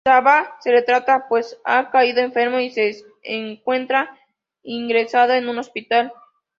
Misawa se retrasa pues ha caído enfermo y se encuentra ingresado en un hospital.